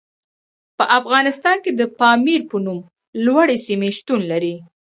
په افغانستان کې د پامیر په نوم لوړې سیمې شتون لري.